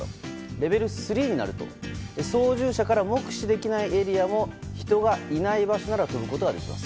レベル３になると操縦者から目視できないエリアも人がいない場所なら飛ぶことができます。